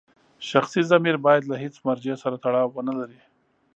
شخصي ضمیر باید له هېڅ مرجع سره تړاو ونلري.